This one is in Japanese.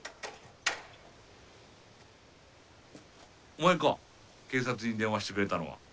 お前か警察に電話してくれたのは。